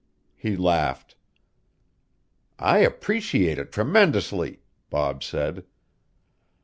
He laughed. "I appreciate it tremendously," Bob said.